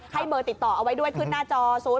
ให้เมอร์ติดต่อเอาไว้ด้วยขึ้นหน้าจอ๐๘๗๗๘๐๙๖๑๙